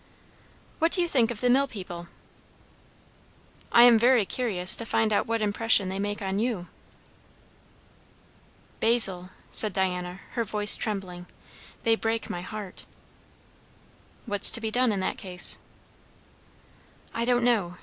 "What do you think of the mill people?" "I am very curious to find out what impression they make on you." "Basil," said Diana, her voice trembling, "they break my heart!" "What's to be done in that case?" "I don't know.